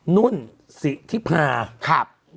นุ่นสิทธิผ่าขับ